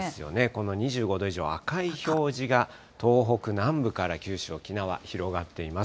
この２５度以上、赤い表示が東北南部から九州、沖縄、広がっています。